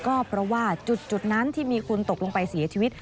ก็เพราะว่าจุดนั้นที่มีคนตกลงไปเสียชีวิต